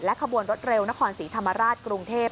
ขบวนรถเร็วนครศรีธรรมราชกรุงเทพ